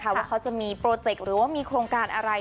ว่าเขาจะมีโปรเจกต์หรือว่ามีโครงการอะไร